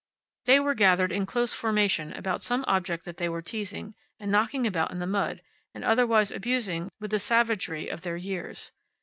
They were gathered in close formation about some object which they were teasing, and knocking about in the mud, and otherwise abusing with the savagery of their years.